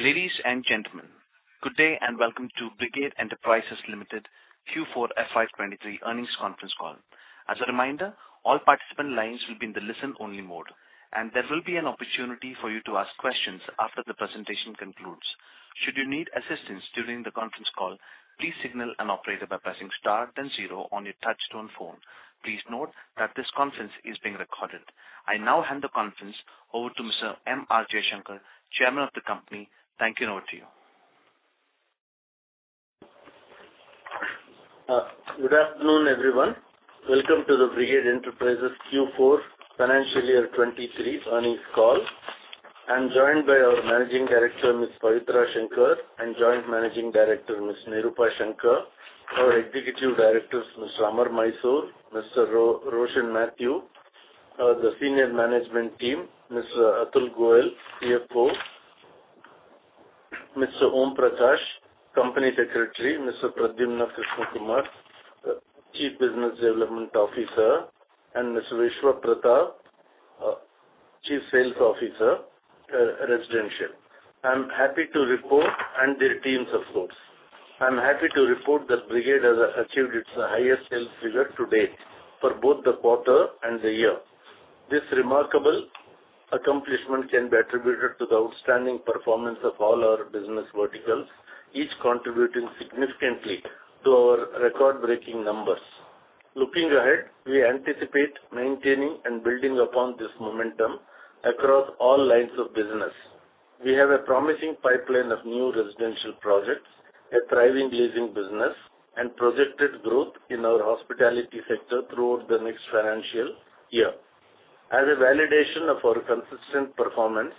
Ladies and gentlemen, good day, welcome to Brigade Enterprises Limited Q4 FY2023 Earnings Conference Call. As a reminder, all participant lines will be in the listen-only mode, there will be an opportunity for you to ask questions after the presentation concludes. Should you need assistance during the conference call, please signal an operator by pressing star then zero on your touchtone phone. Please note that this conference is being recorded. I now hand the conference over to Mr. M. R. Jaishankar, Chairman of the company. Thank you, over to you. Good afternoon, everyone. Welcome to the Brigade Enterprises Q4 Financial Year 2023 Earnings Call. I'm joined by our Managing Director, Ms. Pavitra Shankar, and Joint Managing Director, Ms. Nirupa Shankar. Our Executive Directors, Mr. Amar Mysore, Mr. Roshan Matthew, the Senior Management Team, Mr. Atul Goyal, CFO, Mr. Om Prakash, Company Secretary, Mr. Pradyumna Krishna Kumar, Chief Business Development Officer, and Mr. Viswa Prathap, Chief Sales Officer, Residential. I'm happy to report. And their teams, of course. I'm happy to report that Brigade has achieved its highest sales figure to date for both the quarter and the year. This remarkable accomplishment can be attributed to the outstanding performance of all our business verticals, each contributing significantly to our record-breaking numbers. Looking ahead, we anticipate maintaining and building upon this momentum across all lines of business. We have a promising pipeline of new residential projects, a thriving leasing business, and projected growth in our hospitality sector throughout the next financial year. As a validation of our consistent performance,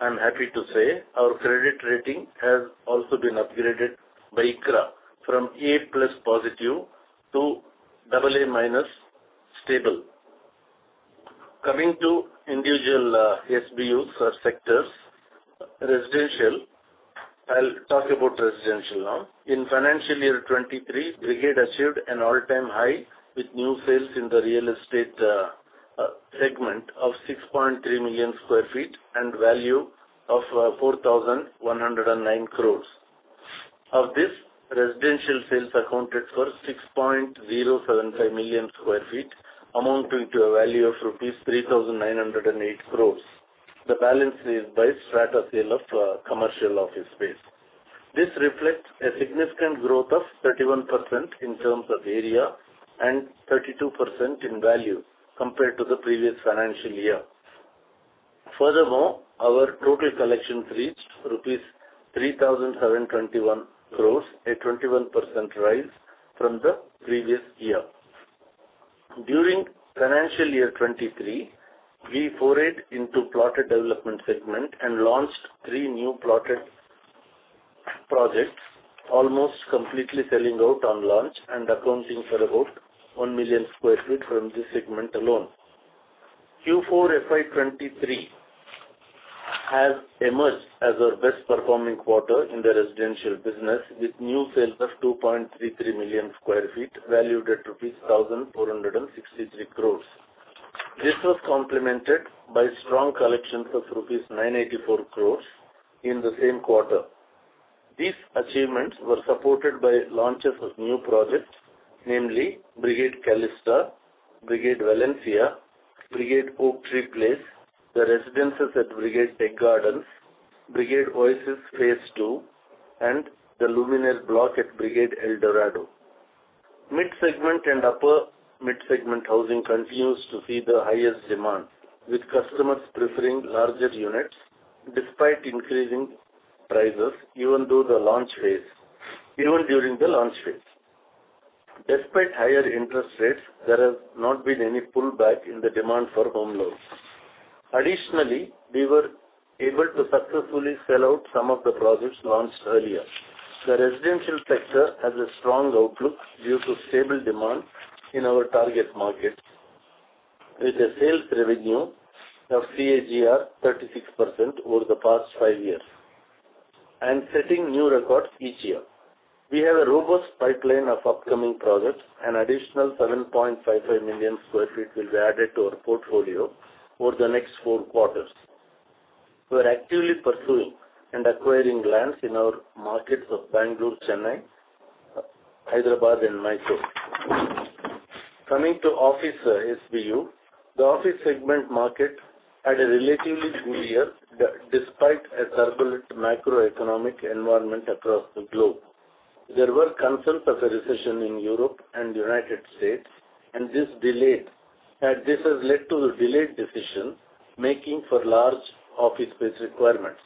I'm happy to say our credit rating has also been upgraded by ICRA from A plus positive to AA- stable. Coming to individual SBUs or sectors, residential. I'll talk about residential now. In financial year 2023, Brigade achieved an all-time high with new sales in the real estate segment of 6.3 million sq ft and value of 4,109 crores. Of this, residential sales accounted for 6.075 million sq ft, amounting to a value of rupees 3,908 crores. The balance is by strata sale of commercial office space. This reflects a significant growth of 31% in terms of area and 32% in value compared to the previous financial year. Our total collections reached rupees 3,721 crores, a 21% rise from the previous year. During financial year 2023, we forayed into plotted development segment and launched 3 new plotted projects, almost completely selling out on launch and accounting for about 1 million sq ft from this segment alone. Q4 FY2023 has emerged as our best-performing quarter in the residential business, with new sales of 2.33 million sq ft, valued at INR 1,463 crores. This was complemented by strong collections of INR 984 crores in the same quarter. These achievements were supported by launches of new projects, namely Brigade Calista, Brigade Valencia, Brigade Oak Tree Place, The Residences at Brigade Tech Gardens, Brigade Oasis Phase 2, and the Luminaire Block at Brigade El Dorado. Mid-segment and upper-mid segment housing continues to see the highest demand, with customers preferring larger units despite increasing prices, even during the launch phase. Despite higher interest rates, there has not been any pullback in the demand for home loans. Additionally, we were able to successfully sell out some of the projects launched earlier. The residential sector has a strong outlook due to stable demand in our target markets, with a sales revenue of CAGR 36% over the past five years, and setting new records each year. We have a robust pipeline of upcoming projects. An additional 7.55 million sq ft will be added to our portfolio over the next four quarters. We are actively pursuing and acquiring lands in our markets of Bengaluru, Chennai, Hyderabad, and Mysuru. Coming to office SBU, the office segment market had a relatively good year despite a turbulent macroeconomic environment across the globe. There were concerns of a recession in Europe and the United States, this has led to a delayed decision-making for large office space requirements.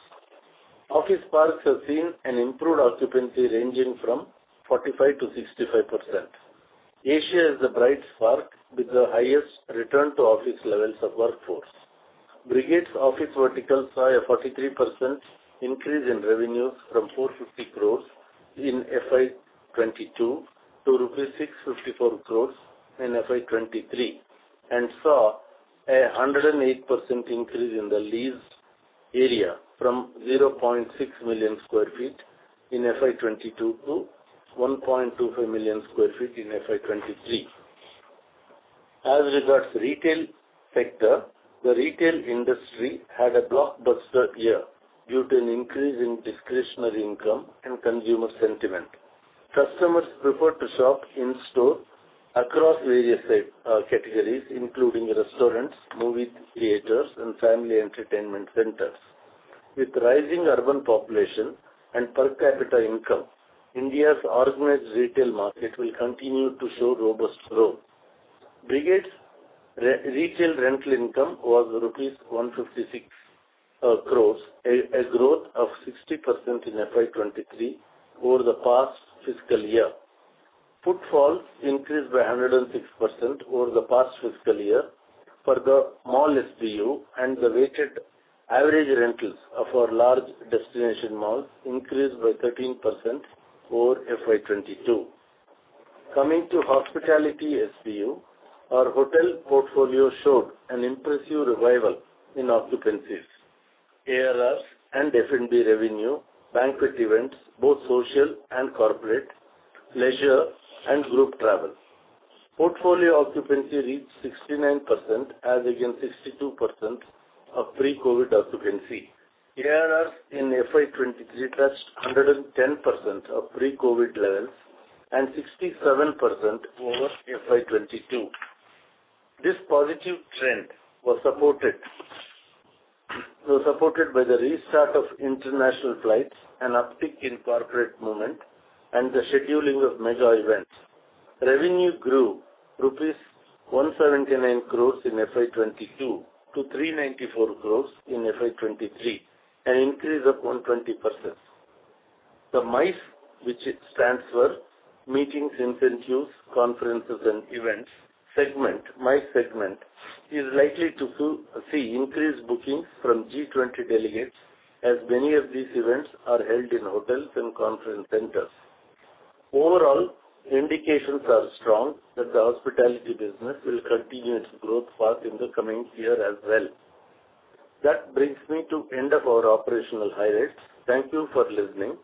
Office parks have seen an improved occupancy ranging from 45%-65%. Asia is the bright spark, with the highest return to office levels of workforce. Brigade's office verticals saw a 43% increase in revenue from 450 crores in FY2022 to INR 654 crores in FY2023, and saw a 108% increase in the leased area from 0.6 million sq ft in FY2022 to 1.25 million sq ft in FY2023. As regards retail sector, the retail industry had a blockbuster year due to an increase in discretionary income and consumer sentiment. Customers prefer to shop in-store across various site categories, including restaurants, movie theaters, and family entertainment centers. With rising urban population and per capita income, India's organized retail market will continue to show robust growth. Brigade's retail rental income was rupees 156 crores, a growth of 60% in FY2023 over the past fiscal year. Footfalls increased by 106% over the past fiscal year for the mall SBU. The weighted average rentals of our large destination malls increased by 13% over FY22. Coming to hospitality SBU, our hotel portfolio showed an impressive revival in occupancies, ARRs, and F&B revenue, banquet events, both social and corporate, leisure, and group travel. Portfolio occupancy reached 69% as against 62% of pre-COVID occupancy. ARRs in FY2023 touched 110% of pre-COVID levels, and 67% over FY2022. This positive trend was supported by the restart of international flights, an uptick in corporate movement, and the scheduling of major events. Revenue grew rupees 179 crores in FY2022 to 394 crores in FY2023, an increase of 120%.The MICE, which stands for Meetings, Incentives, Conferences, and Events segment, MICE segment, is likely to see increased bookings from G20 delegates, as many of these events are held in hotels and conference centers. Overall, indications are strong that the hospitality business will continue its growth path in the coming year as well. That brings me to end of our operational highlights. Thank you for listening,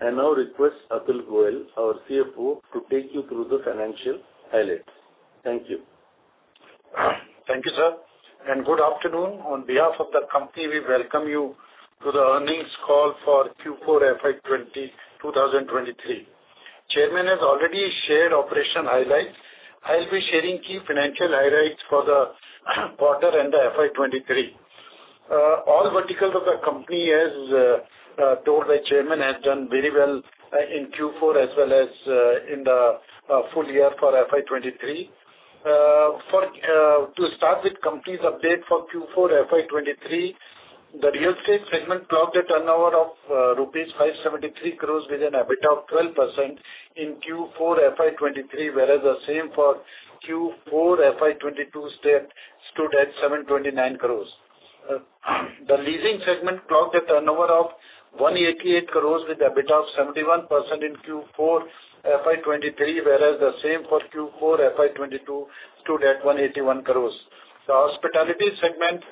and now request Atul Goyal, our CFO, to take you through the financial highlights. Thank you. Thank you, sir. Good afternoon. On behalf of the company, we welcome you to the earnings call for Q4 FY2023. Chairman has already shared operational highlights. I'll be sharing key financial highlights for the quarter and the FY2023. All the verticals of the company, as told by Chairman, has done very well in Q4 as well as in the full year for FY2023. For to start with company's update for Q4 FY2023, the real estate segment clocked a turnover of rupees 573 crores, with an EBITDA of 12% in Q4 FY2023, whereas the same for Q4 FY2022 stood at 729 crores. The leasing segment clocked a turnover of INR 188 crores, with EBITDA of 71% in Q4 FY2023, whereas the same for Q4 FY2022 stood at 181 crores. The hospitality segment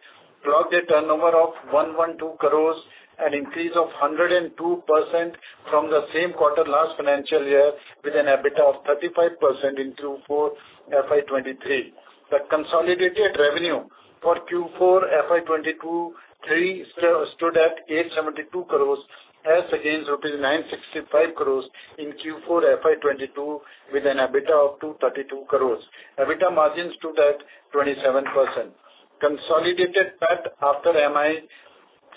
clocked a turnover of 112 crores, an increase of 102% from the same quarter last financial year, with an EBITDA of 35% in Q4 FY2023. The consolidated revenue for Q4 FY2023 stood at INR 872 crores as against INR 965 crores in Q4 FY2022, with an EBITDA of INR 232 crores. EBITDA margins stood at 27%. Consolidated PAT after MI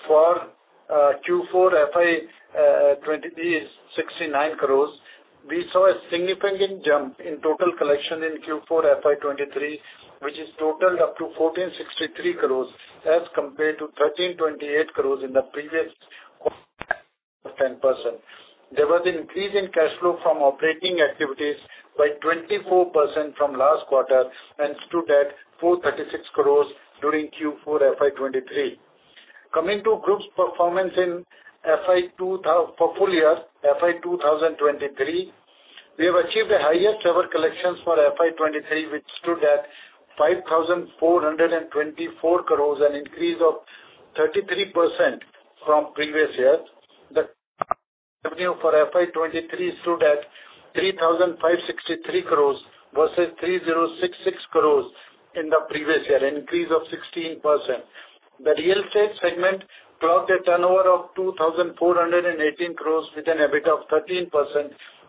for Q4 FY2023 is 69 crores. We saw a significant jump in total collection in Q4 FY2023, which totaled up to 1,463 crore, as compared to 1,328 crore in the previous quarter of 10%. There was an increase in cash flow from operating activities by 24% from last quarter and stood at 436 crore during Q4 FY2023. Coming to group's performance for full year, FY2023, we have achieved the highest ever collections for FY2023, which stood at 5,424 crore, an increase of 33% from previous year. The revenue for FY2023 stood at 3,563 crore versus 3,066 crore in the previous year, an increase of 16%.The real estate segment clocked a turnover of 2,418 crores, with an EBITDA of 13%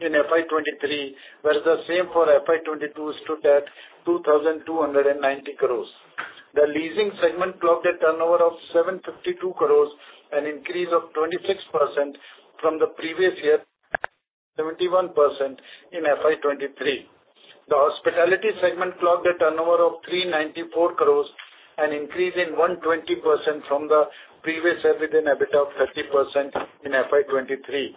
in FY2023, whereas the same for FY2022 stood at 2,290 crores. The leasing segment clocked a turnover of 752 crores, an increase of 26% from the previous year, 71% in FY2023. The hospitality segment clocked a turnover of 394 crores, an increase in 120% from the previous EBITDA, and EBITDA of 30% in FY 2023.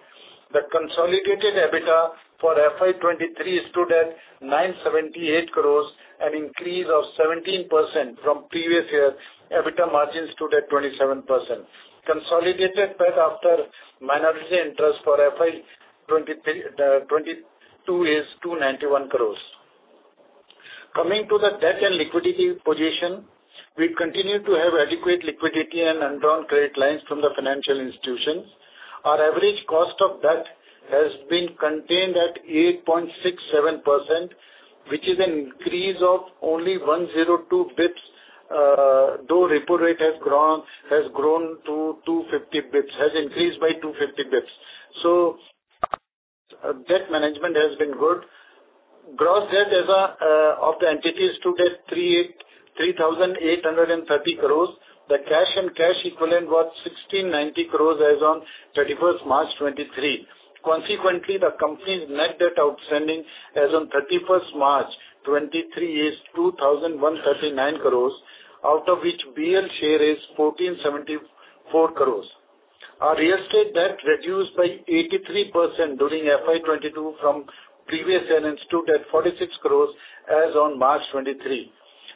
The consolidated EBITDA for FY 2023 stood at 978 crores, an increase of 17% from previous year. EBITDA margins stood at 27%. Consolidated PAT after minority interest for FY 2022 is 291 crores. Coming to the debt and liquidity position. We continue to have adequate liquidity and undrawn credit lines from the financial institutions. Our average cost of debt has been contained at 8.67%, which is an increase of only 102 basis points, though repo rate has grown to 250 basis points, has increased by 250 basis points. Debt management has been good. Gross debt as a of the entity is today 3,830 crores. The cash and cash equivalent was 1,690 crores as on March 31st, 2023. Consequently, the company's net debt outstanding as on March 31st, 2023, is 2,139 crores, out of which BL's share is 1,474 crores. Our real estate debt reduced by 83% during FY2022 from previous 10 and stood at 46 crores as on March 2023.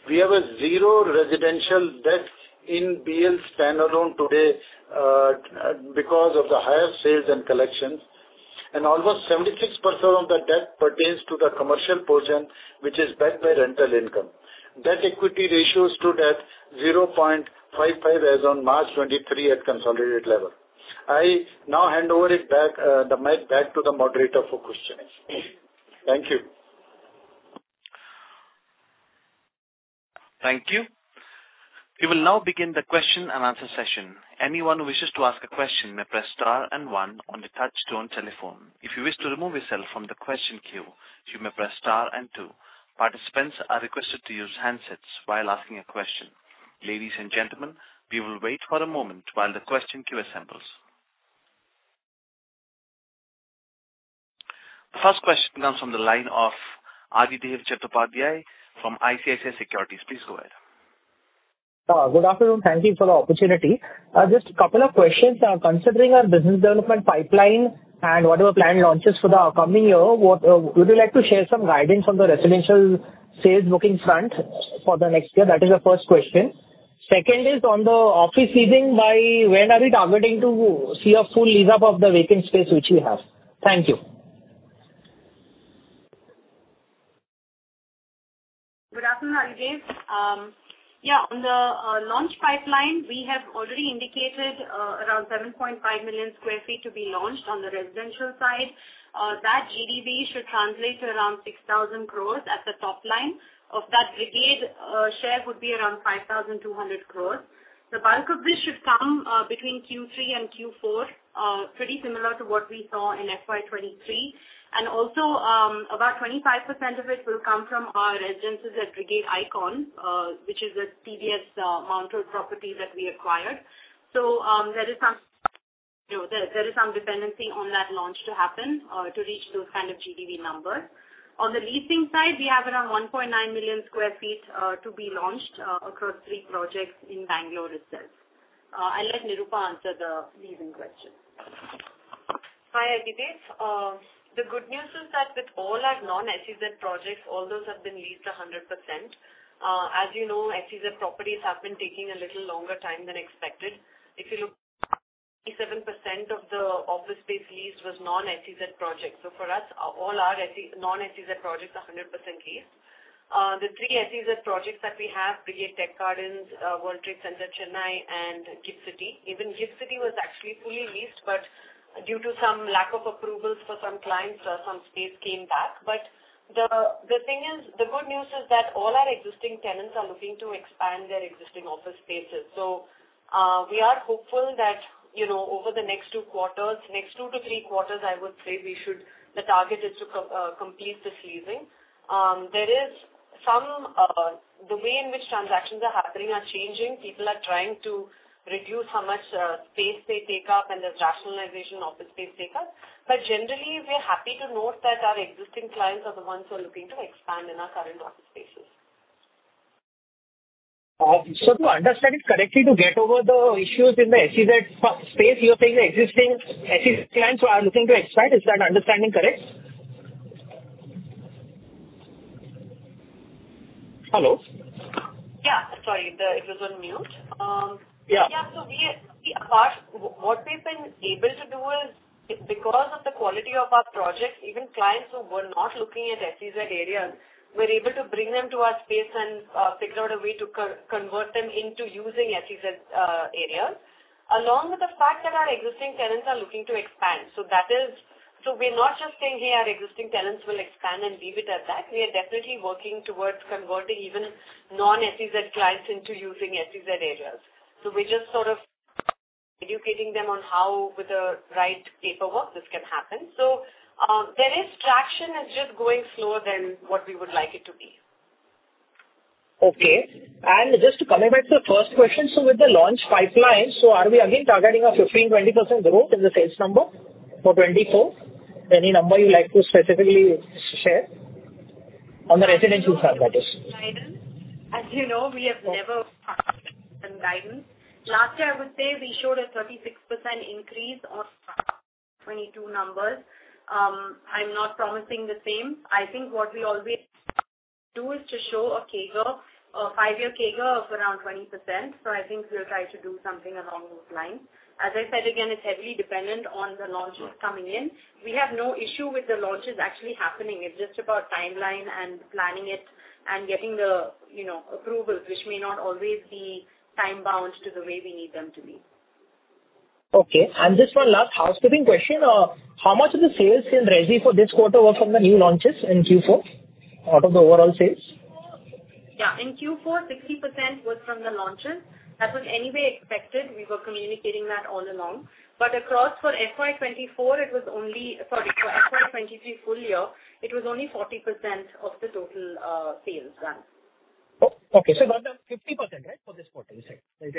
We have a zero residential debt in BL standalone today, because of the higher sales and collections, and almost 76% of the debt pertains to the commercial portion, which is backed by rental income. Debt equity ratio stood at 0.55 as on March 2023 at consolidated level. I now hand over it back, the mic back to the moderator for questions. Thank you. Thank you. We will now begin the question and answer session. Anyone who wishes to ask a question may press star and one on the touchtone telephone. If you wish to remove yourself from the question queue, you may press star and two. Participants are requested to use handsets while asking a question. Ladies and gentlemen, we will wait for a moment while the question queue assembles. The first question comes from the line of Adhidev Chattopadhyay from ICICI Securities. Please go ahead. Good afternoon. Thank you for the opportunity. Just a couple of questions. Considering our business development pipeline and whatever planned launches for the upcoming year, what would you like to share some guidance on the residential sales booking front for the next year? That is the first question. Second is on the office leasing, by when are we targeting to see a full lease-up of the vacant space which we have? Thank you. Good afternoon, Aditya. On the launch pipeline, we have already indicated around 7.5 million sq ft to be launched on the residential side. That GDV should translate to around 6,000 crores at the top line. Of that, Brigade share would be around 5,200 crores. The bulk of this should come between Q3 and Q4, pretty similar to what we saw in FY2023. Also, about 25% of it will come from our residences at Brigade Icon, which is a TBS mounted property that we acquired. There is some, you know, there is some dependency on that launch to happen to reach those kind of GDV numbers. On the leasing side, we have around 1.9 million sq ft to be launched across three projects in Bengaluru itself. I'll let Nirupa answer the leasing question. Hi, Adhidev. The good news is that with all our non-SEZ projects, all those have been leased 100%. As you know, SEZ properties have been taking a little longer time than expected. If you look, 87% of the office space leased was non-SEZ projects. For us, all our non-SEZ projects are 100% leased. The three SEZ projects that we have, Brigade Tech Gardens, World Trade Center, Chennai, and GIFT City. Even GIFT City was actually fully leased, but due to some lack of approvals for some clients, some space came back. The thing is, the good news is that all our existing tenants are looking to expand their existing office spaces. We are hopeful that, you know, over the next 2-3 quarters, I would say we should, the target is to complete this leasing. There is some, the way in which transactions are happening are changing. People are trying to reduce how much space they take up, and there's rationalization office space take up. Generally, we are happy to note that our existing clients are the ones who are looking to expand in our current office spaces. To understand it correctly, to get over the issues in the SEZ space, you're saying the existing SEZ clients who are looking to expand. Is that understanding correct? Hello? Yeah, sorry, the it was on mute. Yeah. What we've been able to do is, because of the quality of our projects, even clients who were not looking at SEZ areas, we're able to bring them to our space and figure out a way to convert them into using SEZ areas, along with the fact that our existing tenants are looking to expand. We're not just saying, "Hey, our existing tenants will expand," and leave it at that. We are definitely working towards converting even non-SEZ clients into using SEZ areas. We're just sort of educating them on how, with the right paperwork, this can happen. There is traction, it's just going slower than what we would like it to be. Okay. Just to coming back to the first question: With the launch pipeline, so are we again targeting a 15%-20% growth in the sales number for 2024? Any number you'd like to specifically share on the residential side, that is? As you know, we have never guidance. Last year, I would say we showed a 36% increase on 22 numbers. I'm not promising the same. I think what we always do is to show a CAGR, a five-year CAGR of around 20%. I think we'll try to do something along those lines. As I said again, it's heavily dependent on the launches coming in. We have no issue with the launches actually happening. It's just about timeline and planning it and getting the, you know, approvals, which may not always be time-bound to the way we need them to be. Okay, just one last housekeeping question. How much of the sales in Resi for this quarter were from the new launches in Q4, out of the overall sales? In Q4, 60% was from the launches. That was anyway expected. We were communicating that all along. Sorry, for FY2023 full year, it was only 40% of the total sales run. Oh, okay. About 50%, right, for this quarter, you said? Six,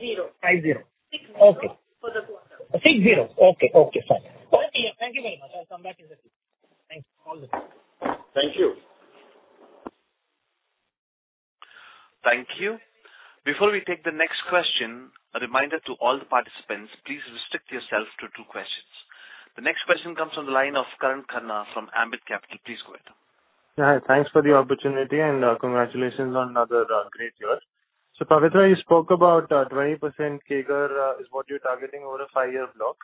zero. Five, zero. Six, zero. Okay. For the quarter. six, zero. Okay. Okay, fine. Yeah. Thank you very much. I'll come back if needed. Thank you. All the best. Thank you. Thank you. Before we take the next question, a reminder to all the participants, please restrict yourself to two questions. The next question comes from the line of Karan Khanna from Ambit Capital. Please go ahead. Yeah, thanks for the opportunity. Congratulations on another great year. Pavitra, you spoke about 20% CAGR is what you're targeting over a five-year block.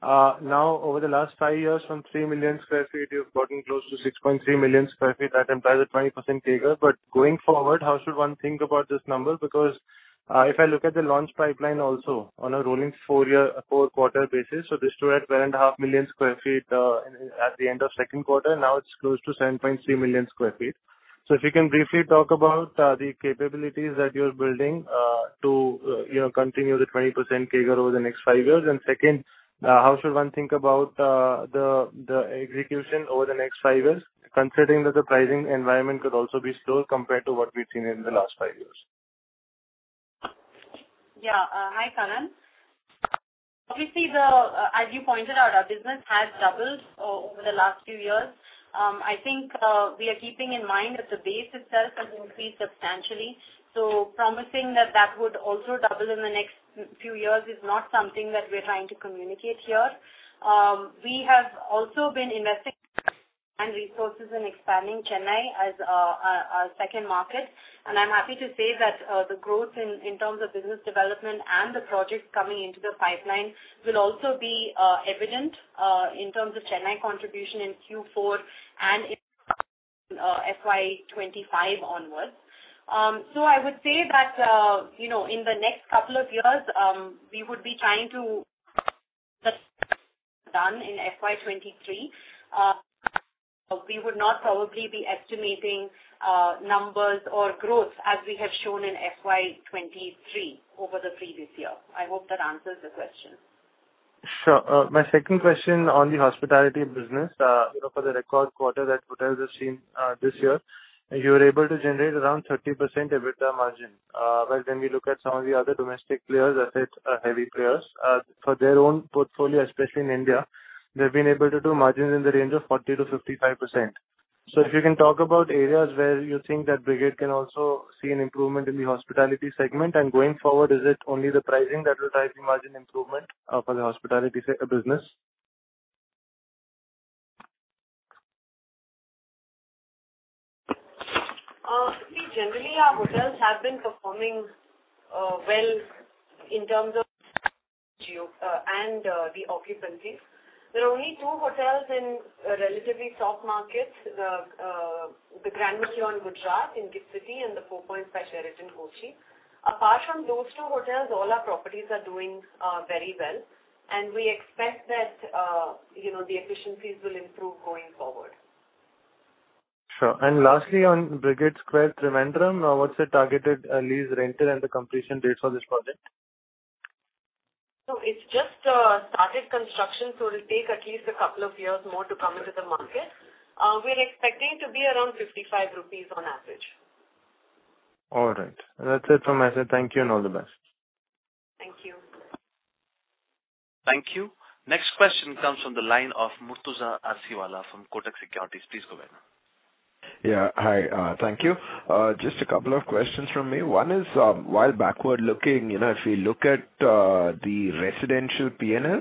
Over the last five years, from 3 million sq ft, you've gotten close to 6.3 million sq ft. That implies a 20% CAGR. Going forward, how should one think about this number? If I look at the launch pipeline also on a rolling four-year, four-quarter basis, this show at 1.5 million sq ft at the end of 2Q, now it's close to 7.3 million sq ft. If you can briefly talk about the capabilities that you're building to, you know, continue the 20% CAGR over the next five years. Second, how should one think about the execution over the next five years, considering that the pricing environment could also be slow compared to what we've seen in the last five years? Yeah. Hi, Karan. Obviously, as you pointed out, our business has doubled over the last few years. I think we are keeping in mind that the base itself has increased substantially, so promising that that would also double in the next few years is not something that we're trying to communicate here. We have also been investing and resources in expanding Chennai as our second market. I'm happy to say that, the growth in terms of business development and the projects coming into the pipeline will also be evident, in terms of Chennai contribution in Q4 and in FY2025 onwards. I would say that, you know, in the next couple of years, we would be trying to done in FY2023.We would not probably be estimating, numbers or growth as we have shown in FY2023 over the previous year. I hope that answers the question. Sure. My second question on the hospitality business, you know, for the record quarter that hotels have seen, this year, you were able to generate around 30% EBITDA margin. Well, when we look at some of the other domestic players, asset, heavy players, for their own portfolio, especially in India, they've been able to do margins in the range of 40%-55%. If you can talk about areas where you think that Brigade can also see an improvement in the hospitality segment, and going forward, is it only the pricing that will drive the margin improvement for the hospitality business? We generally, our hotels have been performing well in terms of geo and the occupancies. There are only two hotels in a relatively soft market, the Grand Mercure in Gujarat, in Gift City, and the Four Points by Sheraton in Kochi. Apart from those two hotels, all our properties are doing very well, and we expect that, you know, the efficiencies will improve going forward. Sure. Lastly, on Brigade Square, Trivandrum, what's the targeted lease rental and the completion dates for this project? It's just started construction, so it'll take at least a couple of years more to come into the market. We're expecting to be around 55 crore rupees on average. All right. That's it from my side. Thank you, and all the best. Thank you. Thank you. Next question comes from the line of Murtuza Arsiwalla from Kotak Securities. Please go ahead. Yeah. Hi, thank you. Just a couple of questions from me. One is, while backward-looking, you know, if we look at the residential P&L,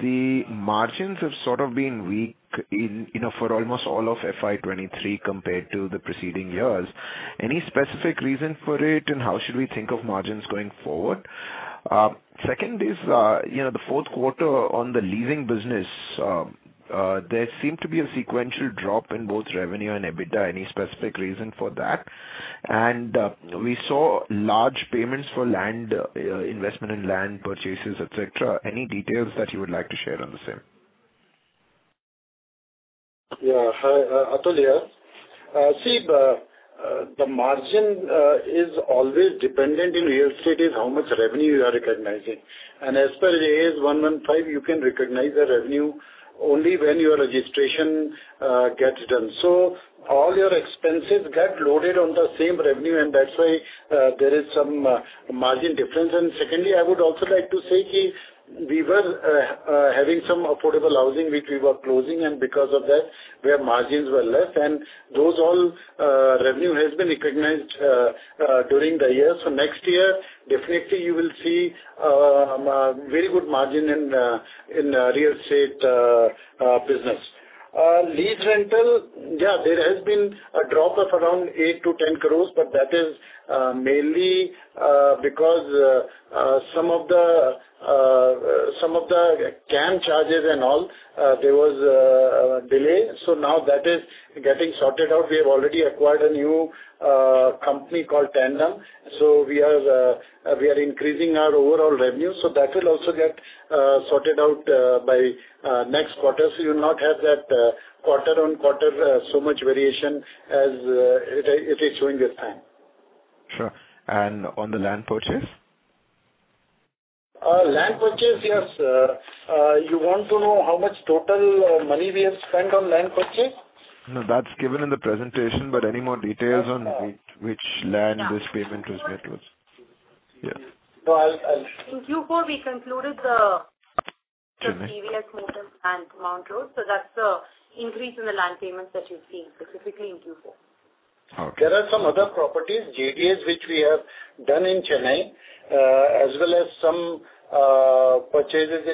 the margins have sort of been weak in, you know, for almost all of FY2023 compared to the preceding years. Any specific reason for it, and how should we think of margins going forward? Second is, you know, the fourth quarter on the leasing business, there seemed to be a sequential drop in both revenue and EBITDA. Any specific reason for that? We saw large payments for land, investment in land purchases, et cetera. Any details that you would like to share on the same? Yeah. Hi, Atul here. See, the margin is always dependent in real estate, is how much revenue you are recognizing. As per Ind AS 115, you can recognize the revenue only when your registration gets done. All your expenses get loaded on the same revenue, and that's why there is some margin difference. Secondly, I would also like to say, we were having some affordable housing, which we were closing, and because of that, where margins were less, and those all revenue has been recognized during the year. Next year, definitely, you will see a very good margin in real estate business.lead rental, yeah, there has been a drop of around 8 crores-10 crores, but that is mainly because some of the CAM charges and all, there was a delay. now that is getting sorted out. We have already acquired a new company called Tandem.We are increasing our overall revenue. That will also get sorted out by next quarter. You'll not have that quarter-on-quarter so much variation as it is showing this time. Sure. On the land purchase? Land purchase, yes. You want to know how much total money we have spent on land purchase? No, that's given in the presentation, but any more details on which land this payment was made towards? Yes. Well, I'll... In Q4, we concluded the previous and Mount Road, so that's the increase in the land payments that you're seeing, specifically in Q4. Okay. There are some other properties, JDA, which we have done in Chennai, as well as some purchases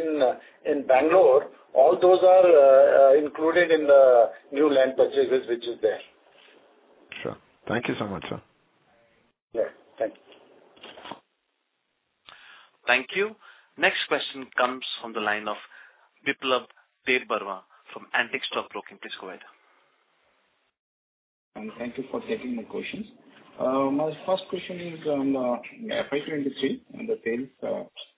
in Bangalore. All those are included in the new land purchases, which is there. Sure. Thank you so much, sir. Yeah, thank you. Thank you. Next question comes from the line of Biplab Debbarma from Antique Stock Broking. Please go ahead. Thank you for taking my questions. My first question is on FY2023, and the sales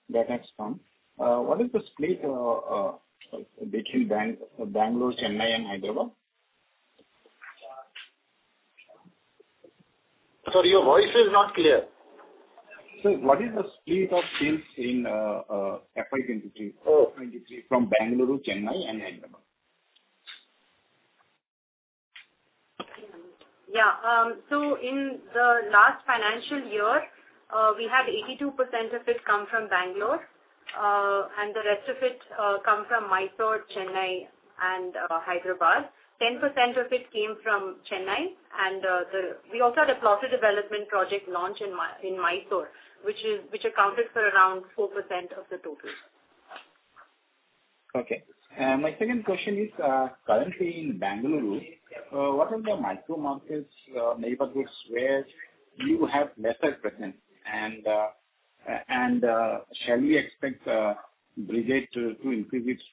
that has come. What is the split between Bengaluru, Chennai, and Hyderabad? Sorry, your voice is not clear. Sir, what is the split of sales in FY2023- Oh. 2023, from Bengaluru, Chennai, and Hyderabad? In the last financial year, we had 82% of it come from Bengaluru, and the rest of it come from Mysuru, Chennai, and Hyderabad. 10% of it came from Chennai. We also had a plot development project launch in Mysuru, which accounted for around 4% of the total. Okay. My second question is, currently in Bengaluru, what are the micro markets, neighborhoods, where you have lesser presence? Shall we expect Brigade to increase its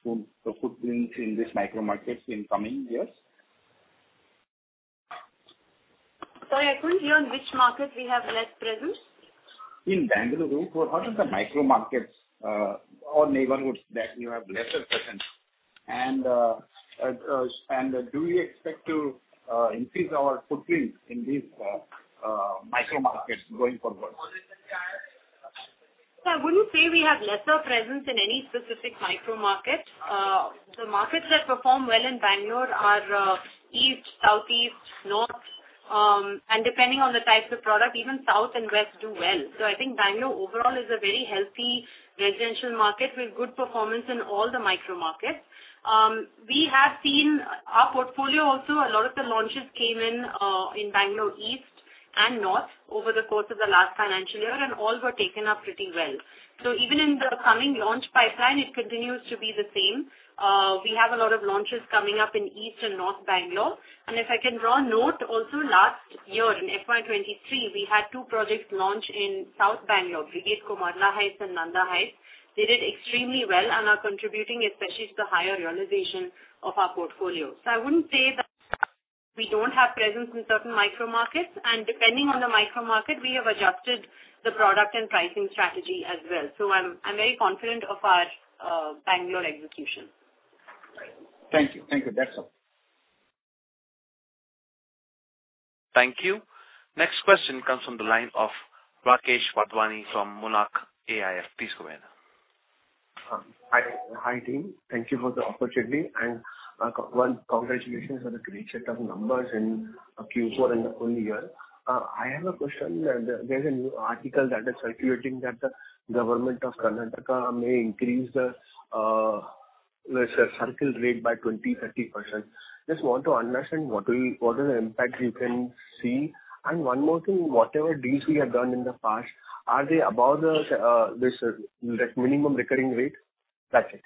the footprint in this micro markets in coming years? Sorry, I couldn't hear on which market we have less presence. In Bengaluru, what are the micro markets, or neighborhoods that you have lesser presence? Do you expect to increase our footprint in these micro markets going forward? I wouldn't say we have lesser presence in any specific micro market. The markets that perform well in Bengaluru are east, southeast, north, and depending on the types of product, even south and west do well. I think Bengaluru overall is a very healthy residential market with good performance in all the micro markets. We have seen our portfolio also, a lot of the launches came in in Bengaluru East and North over the course of the last financial year, and all were taken up pretty well. Even in the coming launch pipeline, it continues to be the same. We have a lot of launches coming up in East and North Bengaluru. If I can draw a note also, last year in FY2023, we had two projects launched in South Bengaluru, Brigade Komarla Heights and Nanda Heights. They did extremely well and are contributing, especially to the higher realization of our portfolio. I wouldn't say that we don't have presence in certain micro markets, and depending on the micro market, we have adjusted the product and pricing strategy as well. I'm very confident of our Bangalore execution. Thank you. Thank you. That's all. Thank you. Next question comes from the line of Rakesh Wadhwani from Monarch AIF. Please go ahead. Hi, team. Thank you for the opportunity. One, congratulations on the great set of numbers in Q4 and the full year. I have a question. There's a new article that is circulating, that the government of Karnataka may increase the, let's say, circle rate by 20%-30%. Just want to understand what is the impact you can see? One more thing, whatever deals we have done in the past, are they above this minimum recurring rate? That's it.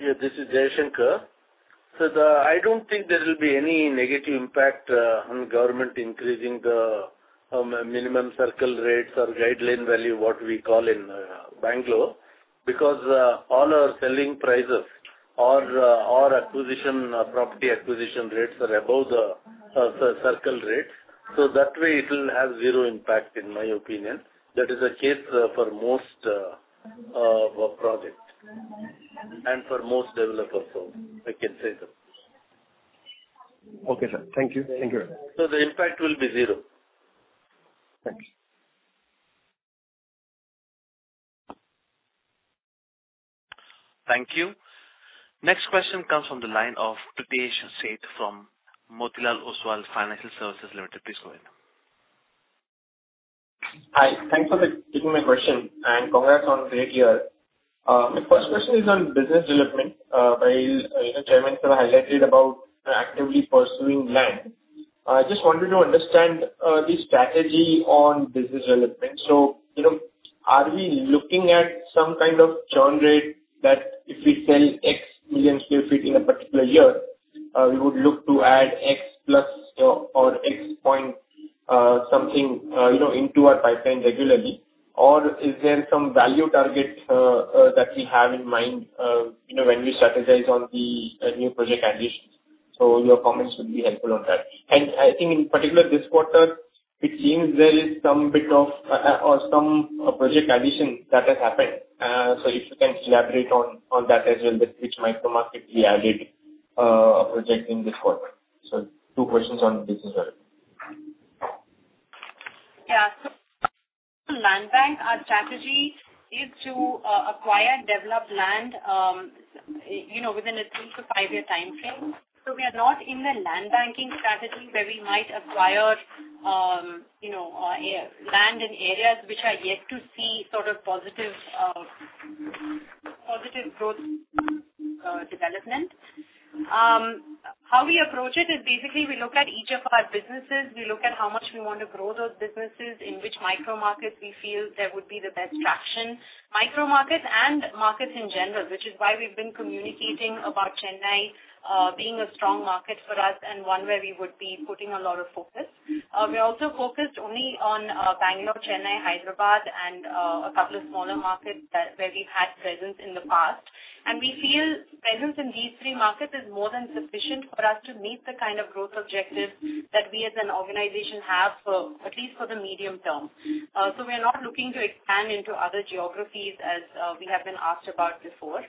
Yes, this is Jaishankar. I don't think there will be any negative impact on government increasing the minimum circle rates or guideline value, what we call in Bengaluru, because all our selling prices or acquisition property acquisition rates are above the circle rates. That way, it will have zero impact, in my opinion. That is the case for most of our projects and for most developers, so I can say so. Okay, sir. Thank you. Thank you. The impact will be zero. Thank you. Thank you. Next question comes from the line of Pritish Sheth from Motilal Oswal Financial Services Limited. Please go ahead. Hi, thanks for taking my question, and congrats on a great year. My first question is on business development. By the Chairman, sir, highlighted about actively pursuing land. I just wanted to understand the strategy on business development. You know, are we looking at some kind of churn rate that if we sell X million sq ft in a particular year, we would look to add X plus or X point something, you know, into our pipeline regularly? Or is there some value target that we have in mind, you know, when we strategize on the new project additions? Your comments would be helpful on that. I think in particular, this quarter, it seems there is some bit of, or some project addition that has happened.if you can elaborate on that as well, which micro-market we added, a project in this quarter. two questions on this as well. Ur strategy is to acquire developed land, you know, within a 3-5-year time frame. We are not in the land banking strategy where we might acquire land in areas which are yet to see sort of positive growth development. How we approach it is basically we look at each of our businesses, we look at how much we want to grow those businesses, in which micro-markets we feel there would be the best traction. Micro-markets and markets in general, which is why we've been communicating about Chennai being a strong market for us and one where we would be putting a lot of focus. We also focused only on Bangalore, Chennai, Hyderabad, and a couple of smaller markets where we've had presence in the past. We feel presence in these three markets is more than sufficient for us to meet the kind of growth objectives that we as an organization have for at least for the medium term. We are not looking to expand into other geographies as we have been asked about before.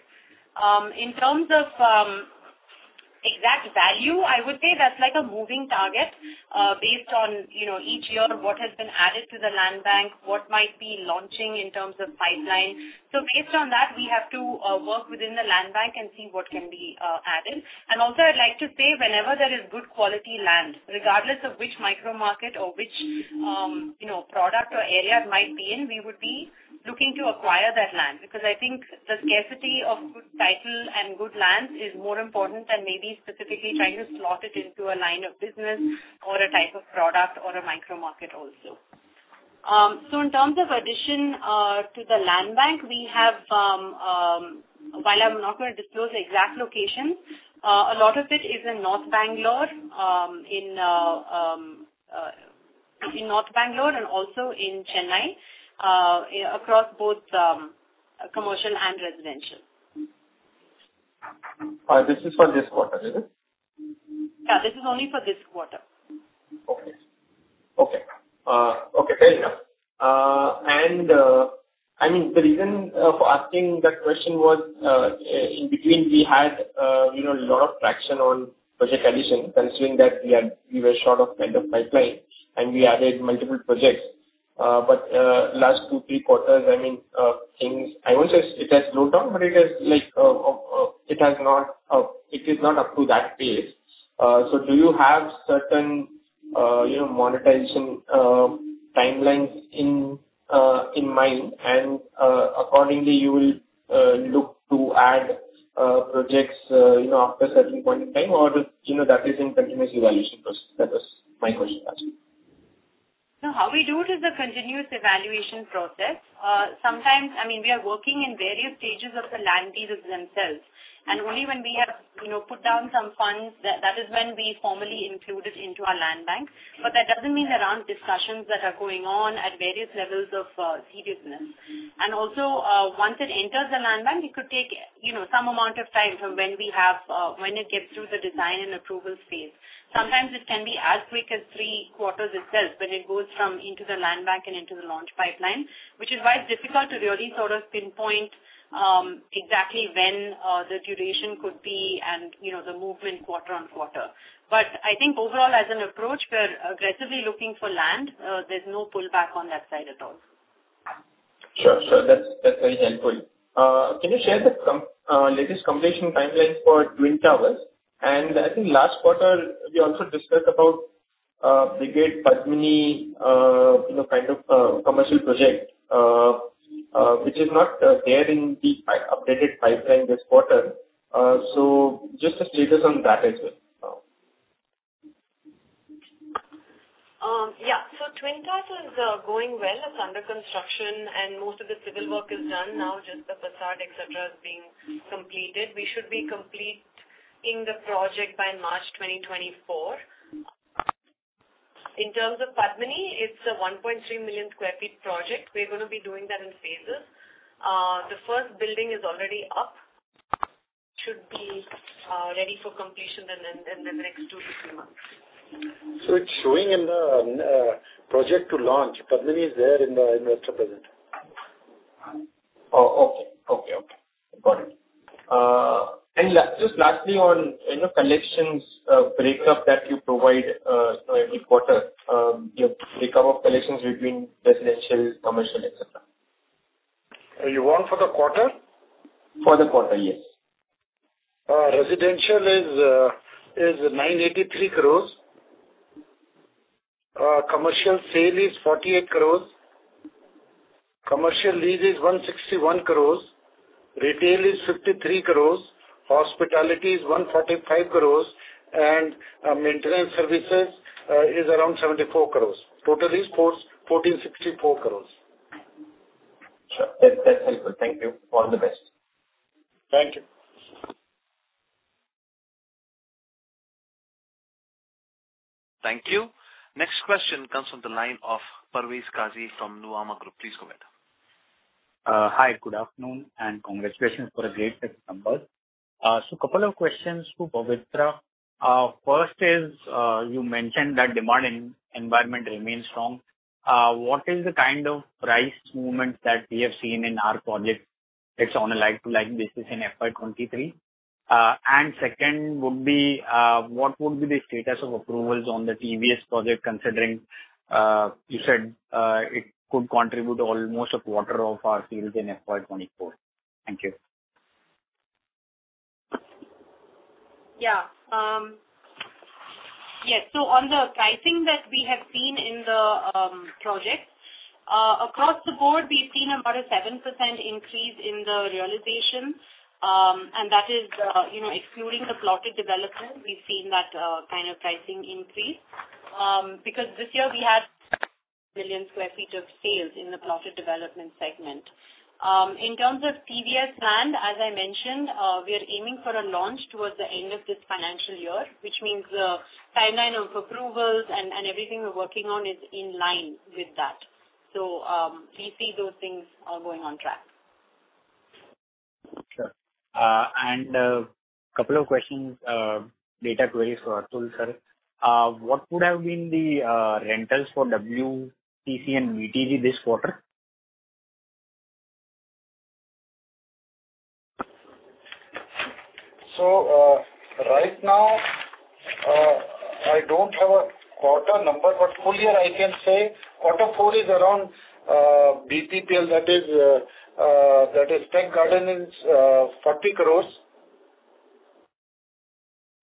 In terms of exact value, I would say that's like a moving target, based on, you know, each year, what has been added to the land bank, what might be launching in terms of pipeline. Based on that, we have to work within the land bank and see what can be added. Also, I'd like to say whenever there is good quality land, regardless of which micro-market or which, you know, product or area it might be in, we would be looking to acquire that land. I think the scarcity of good title and good land is more important than maybe specifically trying to slot it into a line of business or a type of product or a micro-market also. In terms of addition to the land bank, we have, while I'm not going to disclose the exact location, a lot of it is in North Bengaluru, in North Bengaluru and also in Chennai, across both commercial and residential. This is for this quarter, is it? Yeah, this is only for this quarter. Okay. Okay. Okay, fair enough. I mean, the reason for asking that question was, in between, we had, you know, a lot of traction on project addition, considering that we were short of kind of pipeline, and we added multiple projects. Last two, three quarters, I mean, things I won't say it has slowed down, but it is like, it has not, it is not up to that pace. Do you have certain, you know, monetization, timelines in mind, and accordingly, you will look to add projects, you know, after a certain point in time, or, you know, that is in continuous evaluation process? That was my question actually. How we do it is a continuous evaluation process. Sometimes, I mean, we are working in various stages of the land deals themselves, and only when we have, you know, put down some funds, that is when we formally include it into our land bank. That doesn't mean there aren't discussions that are going on at various levels of seriousness. Once it enters the land bank, it could take, you know, some amount of time from when we have, when it gets through the design and approval phase. Sometimes it can be as quick as three quarters itself, when it goes from into the land bank and into the launch pipeline, which is why it's difficult to really sort of pinpoint exactly when the duration could be and, you know, the movement quarter-on-quarter.I think overall, as an approach, we're aggressively looking for land. There's no pullback on that side at all. Sure, sure. That's very helpful. Can you share the latest completion timeline for Twin Towers? I think last quarter, we also discussed about Brigade Padmini, you know, kind of commercial project, which is not there in the updated pipeline this quarter. Just a status on that as well. Yeah. Twin Towers is going well. It's under construction, and most of the civil work is done now, just the facade, et cetera, is being completed. We should be complete in the project by March 2024. In terms of Padmini, it's a 1.3 million sq ft project. We're gonna be doing that in phases. The first building is already up. Should be ready for completion in the next 2-3 months. It's showing in the project to launch. Padmini is there in the, in the extra present. Oh, okay. Okay, okay. Got it. Just lastly, on, you know, collections, breakup that you provide every quarter, your breakup of collections between residential, commercial, et cetera. You want for the quarter? For the quarter, yes. Residential is 983 crores. Commercial sale is 48 crores. Commercial lease is 161 crores. Retail is 53 crores. Hospitality is 145 crores. Maintenance services is around 74 crores. Total is 1,464 crores. Sure. That's helpful. Thank you. All the best. Thank you. Thank you. Next question comes from the line of Parvez Qazi from Nuvama Group. Please go ahead. Hi, good afternoon, congratulations for a great number. Couple of questions to Pavitra. First is, you mentioned that demand environment remains strong. What is the kind of price movement that we have seen in our projects that's on a like-to-like basis in FY2023? Second would be, what would be the status of approvals on the TBS project, considering, you said, it could contribute almost a quarter of our sales in FY2024? Thank you. Yes, on the pricing that we have seen in the projects across the board, we've seen about a 7% increase in the realization. That is, you know, excluding the plotted development. We've seen that kind of pricing increase. This year we had million sq ft of sales in the plotted development segment. In terms of TBS land, as I mentioned, we are aiming for a launch towards the end of this financial year. This means the timeline of approvals and everything we're working on is in line with that. We see those things are going on track. Sure. A couple of questions, data queries for Atul, sir. What would have been the rentals for WTC and BTG this quarter? Right now, I don't have a quarter number, but full year I can say, quarter four is around BPPL, that is Tech Garden is 40 crores.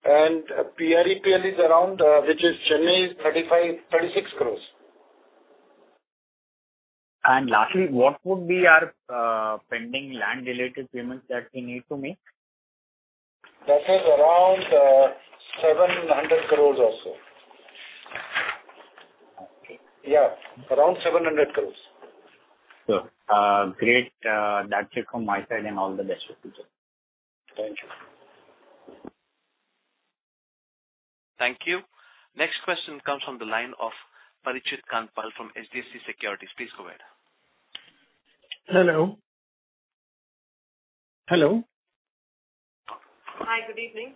PREPL is around, which is Chennai's 35 crores-36 crores. Lastly, what would be our pending land-related payments that we need to make? That is around, 700 crores or so. Okay. Yeah, around 700 crores. Sure. Great, that's it from my side. All the best for future. Thank you. Thank you. Next question comes from the line of Parikshit Kandpal from HDFC Securities. Please go ahead. Hello? Hello. Hi, good evening.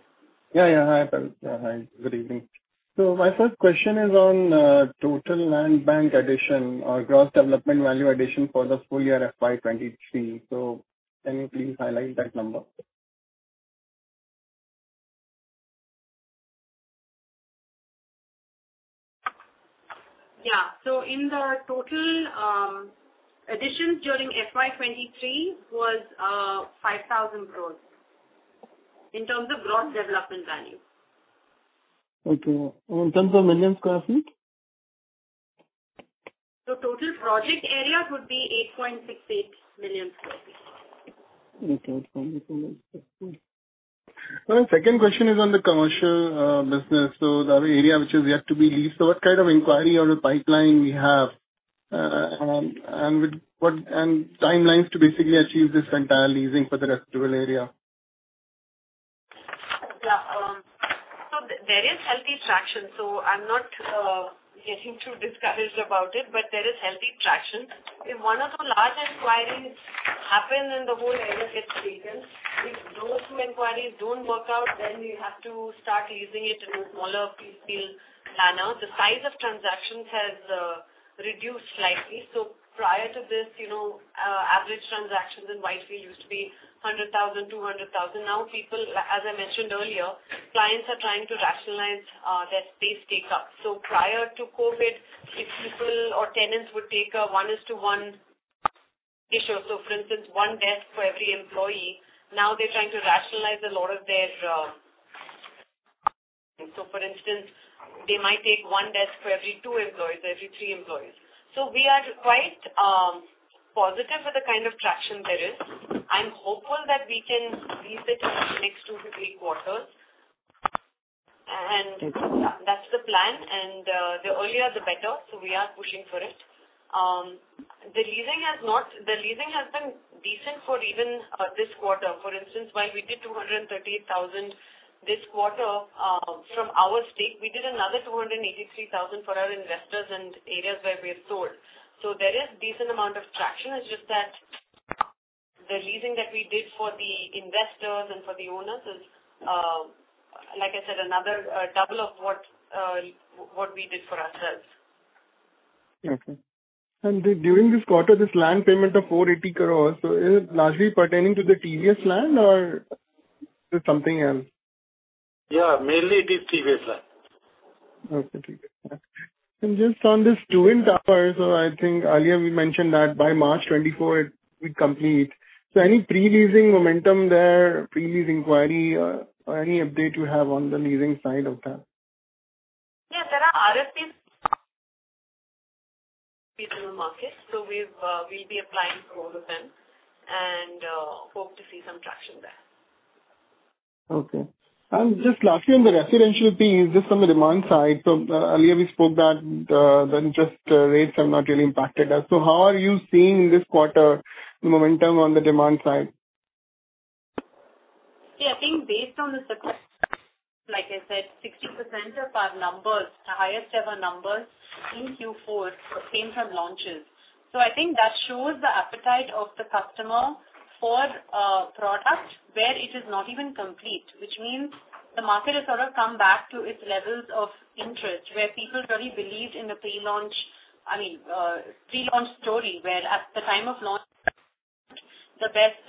Yeah, yeah, hi, Pavitra. Hi, good evening. My first question is on total land bank addition or Gross Development Value addition for the full year FY2023. Can you please highlight that number? Yeah. In the total additions during FY2023 was 5,000 crores, in terms of gross development value. Okay. In terms of million sq ft? The total project area would be 8.68 million sq ft. Okay, sound good. My second question is on the commercial business. The area which is yet to be leased, so what kind of inquiry or the pipeline we have, and with timelines to basically achieve this entire leasing for the rest of area? Yeah. There is healthy traction, so I'm not getting too discouraged about it, but there is healthy traction. If one of the large inquiries happens and the whole area gets taken, if those inquiries don't work out, then we have to start leasing it to smaller piece deal planners. The size of transactions has reduced slightly. Prior to this, you know, average transactions in Whitefield used to be 100,000 sq ft, 200,000 sq ft. Now, people, as I mentioned earlier, clients are trying to rationalize their space takeout. Prior to COVID, if people or tenants would take a one is to one ratio, for instance, one desk for every employee, now they're trying to rationalize a lot of their. For instance, they might take one desk for every two employees or every three employees. We are quite positive with the kind of traction there is. I'm hopeful that we can lease it in the next 2-3 quarters. Okay. That's the plan, and the earlier the better, so we are pushing for it. The leasing has been decent for even this quarter. For instance, while we did 238,000 sq ft this quarter, from our stake, we did another 283,000 sq ft for our investors and areas where we have sold. There is decent amount of traction. It's just that the leasing that we did for the investors and for the owners is, like I said, another double of what we did for ourselves. Okay. During this quarter, this land payment of 480 crores, is it largely pertaining to the TBS land or is it something else? Yeah, mainly it is TBS land. Okay, take it. Just on this student tower, I think earlier we mentioned that by March 2024 it complete. Any pre-leasing momentum there, pre-lease inquiry, or any update you have on the leasing side of that? Yeah, there are RFPs people in the market, so we've, we'll be applying for all of them and, hope to see some traction there. Okay. Just lastly, on the residential piece, just on the demand side, earlier we spoke that, the interest rates have not really impacted us. How are you seeing this quarter momentum on the demand side? I think based on the success, like I said, 60% of our numbers, the highest ever numbers in Q4, came from launches. I think that shows the appetite of the customer for a product where it is not even complete, which means the market has sort of come back to its levels of interest, where people really believe in the pre-launch. I mean, pre-launch story, where at the time of launch, the best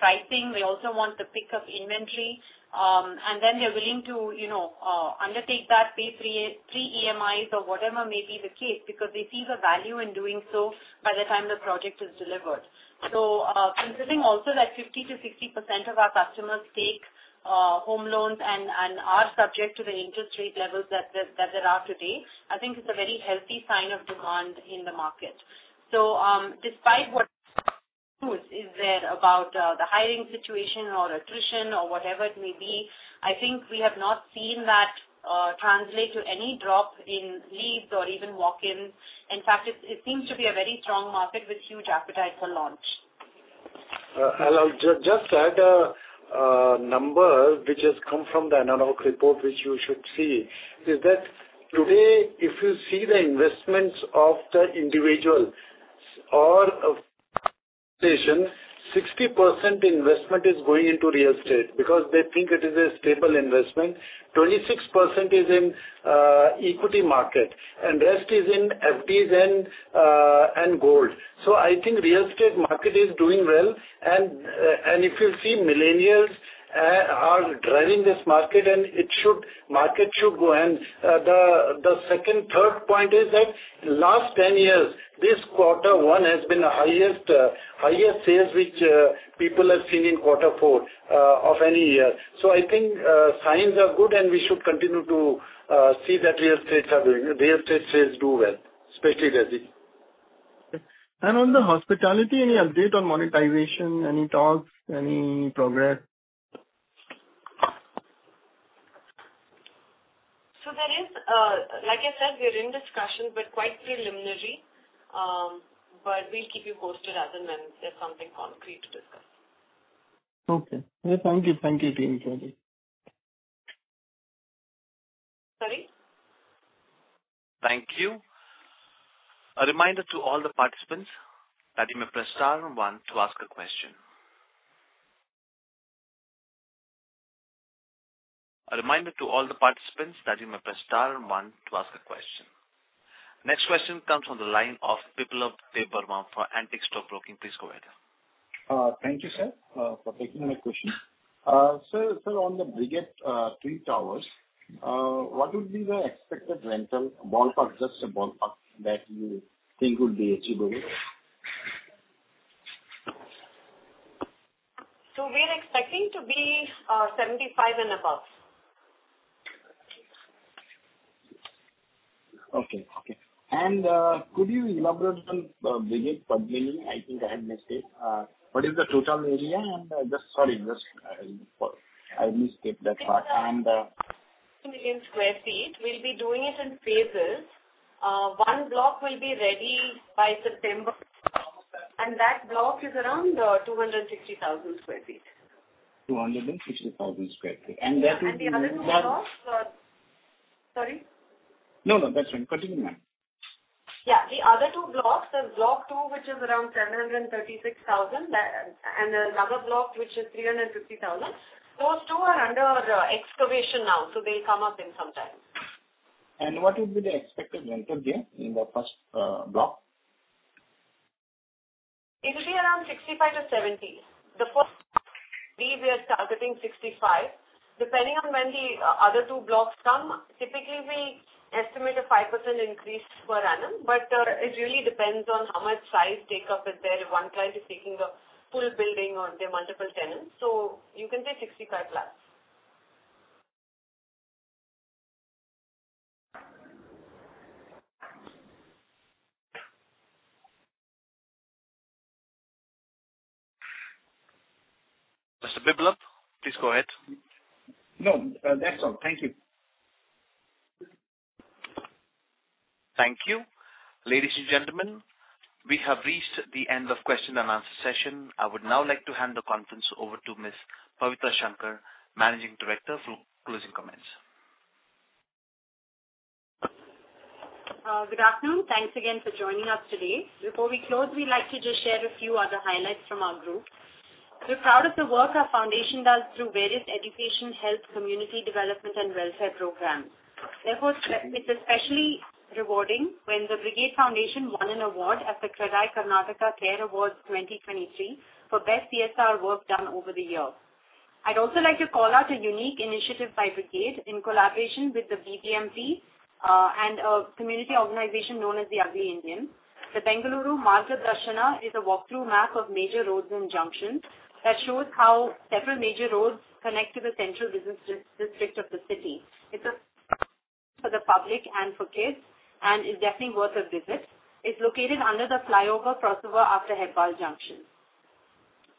pricing. They also want the pick of inventory, and then they're willing to, you know, undertake that pay three EMIs or whatever may be the case, because they see the value in doing so by the time the project is delivered. Considering also that 50%-60% of our customers take home loans and are subject to the interest rate levels that there are today, I think it's a very healthy sign of demand in the market. Despite what is there about the hiring situation or attrition or whatever it may be, I think we have not seen that translate to any drop in leads or even walk-ins. In fact, it seems to be a very strong market with huge appetite for launch. I'll just add a number which has come from the ANAROCK report, which you should see, is that today, if you see the investments of the individual or of 60% investment is going into real estate because they think it is a stable investment. 26% is in equity market, and rest is in FDs and gold. I think real estate market is doing well. If you see millennials are driving this market, and market should go. The second, third point is that last 10 years, this quarter one has been the highest sales, which people have seen in quarter four of any year. I think signs are good, and we should continue to see that real estate sales do well, especially residential. On the hospitality, any update on monetization? Any talks, any progress? There is, Like I said, we are in discussion, but quite preliminary. We'll keep you posted as and when there's something concrete to discuss. Okay. Thank you. Thank you. Thank you. Sorry? Thank you. A reminder to all the participants that you may press star one to ask a question. Next question comes from the line of Biplab Debbarma for Antique Stock Broking. Please go ahead. Thank you, sir, for taking my question. On the Brigade, three towers, what would be the expected rental ballpark, just a ballpark, that you think would be achievable? We're expecting to be, 75 and above. Okay. Okay. Could you elaborate on Brigade Padmini? I think I had missed it. What is the total area? Just sorry, I missed it, that part. A million sq ft. We'll be doing it in phases. one block will be ready by September, and that block is around 260,000 sq ft. 260,000 sq ft. That will be- The other two blocks... Sorry? No, no, that's fine. Continue, ma'am. Yeah. The other two blocks, the block two, which is around 1,036,000 sq ft, and another block, which is 350,000 sq ft. Those two are under excavation now, so they come up in some time. What would be the expected rental there in the first block? It will be around 65%-70%. The first we are targeting 65%. Depending on when the other two blocks come, typically we estimate a 5% increase per annum. It really depends on how much size take up is there. If one client is taking a full building or they're multiple tenants. You can say 65%+. Mr. Biplab, please go ahead. No, that's all. Thank you. Thank you. Ladies and gentlemen, we have reached the end of question and answer session. I would now like to hand the conference over to Ms. Pavitra Shankar, Managing Director, for closing comments. Good afternoon. Thanks again for joining us today. Before we close, we'd like to just share a few other highlights from our group. We're proud of the work our Brigade Foundation does through various education, health, community development and welfare programs. Therefore, it's especially rewarding when the Brigade Foundation won an award at the CREDAI Karnataka Care Awards 2023 for best CSR work done over the years. I'd also like to call out a unique initiative by Brigade in collaboration with the BBMP and a community organization known as The Ugly Indian. The Bengaluru Marg Darshana is a walk-through map of major roads and junctions that shows how several major roads connect to the central business district of the city. It's for the public and for kids, and it's definitely worth a visit. It's located under the flyover crossover after Hebbal Junction.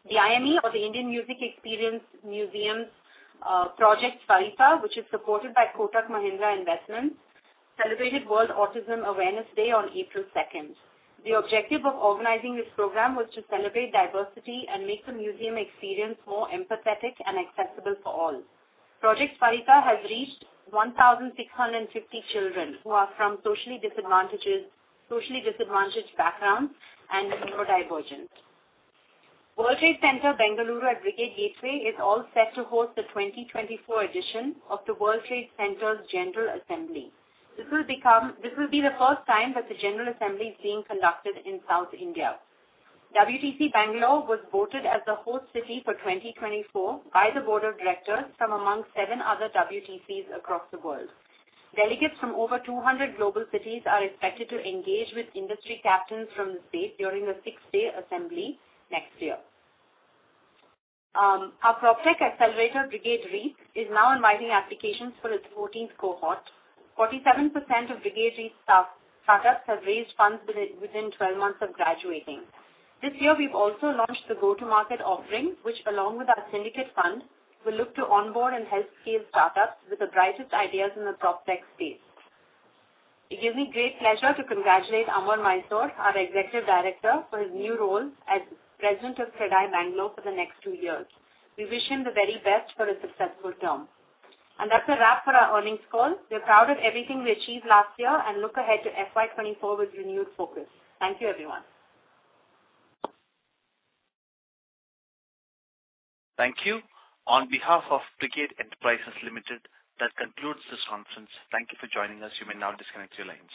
The IME or the Indian Music Experience Museum, Project Sparsha, which is supported by Kotak Mahindra Investments, celebrated World Autism Awareness Day on April second. The objective of organizing this program was to celebrate diversity and make the museum experience more empathetic and accessible for all. Project Sparsha has reached 1,650 children who are from socially disadvantaged backgrounds and neurodivergent. World Trade Center Bengaluru at Brigade Gateway is all set to host the 2024 edition of the World Trade Center's General Assembly. This will be the first time that the General Assembly is being conducted in South India. WTC Bengaluru was voted as the host city for 2024 by the board of directors from among seven other WTCs across the world. Delegates from over 200 global cities are expected to engage with industry captains from the state during a six-day assembly next year. Our PropTech accelerator, Brigade REAP, is now inviting applications for its 14th Cohort. 47% of Brigade REAP startups have raised funds within 12 months of graduating. This year, we've also launched the Go-to-Market offering, which along with our syndicate fund, will look to onboard and help scale startups with the brightest ideas in the PropTech space. It gives me great pleasure to congratulate Amar Mysore, our Executive Director, for his new role as President of CREDAI Bengaluru for the next two years. We wish him the very best for a successful term. That's a wrap for our earnings call. We're proud of everything we achieved last year and look ahead to FY2024 with renewed focus. Thank you, everyone. Thank you. On behalf of Brigade Enterprises Limited, that concludes this conference. Thank you for joining us. You may now disconnect your lines.